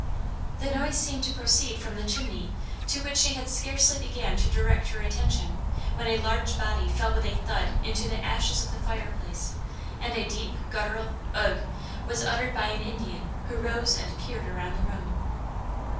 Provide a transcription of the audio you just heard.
The noise seemed to proceed from the chimney to which she had scarcely began to direct her attention, when a large body fell with a thud into the ashes of the fire place, and a deep guttural "ugh" was uttered by an Indian who rose and peered around the room.